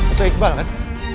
itu iqbal kan